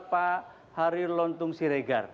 pak harir lontong siregar